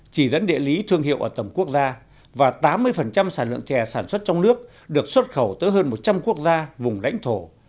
chỉ dẫn địa lý thương hiệu ở tầm quốc gia và tám mươi sản lượng chè sản xuất trong nước được xuất khẩu tới hơn một trăm linh quốc gia vùng lãnh thổ